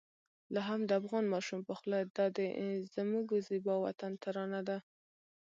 لا هم د افغان ماشوم په خوله د دا زموږ زېبا وطن ترانه ده.